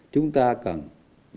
chúng ta cần đồng hành